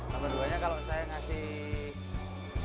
nomor duanya kalau saya ngasih